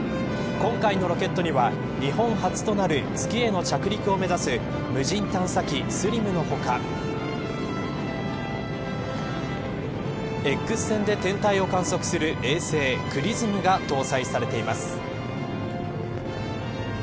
今回のロケットには日本初となる月への着陸を目指す無人探査機ＳＬＩＭの他エックス線で天体を観測する衛星ＸＲＩＳＭが搭載されています。